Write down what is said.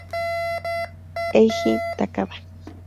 Eiji Takada